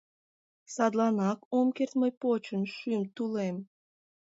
Садланак ом керт мый почын шӱм тулем